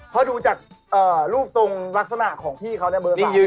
เพราะดูจากรูปทรงลักษณะของพี่เขาเนี่ยเบอร์ที่ยืน